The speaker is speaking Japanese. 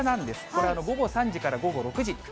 これ、午後３時から午後６時。